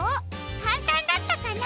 かんたんだったかな？